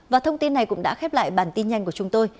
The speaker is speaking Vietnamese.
và thông tin này cũng đã khép lại bản tin nhanh của chúng tôi